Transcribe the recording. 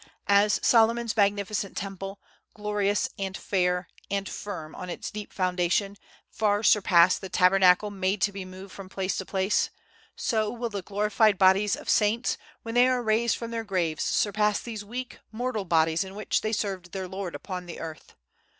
As Solomon's magnificent temple, glorious and fair, and firm on its deep foundation, far surpassed the Tabernacle made to be moved from place to place; so will the glorified bodies of saints, when they are raised from their graves, surpass these weak, mortal bodies in which they served their Lord upon earth.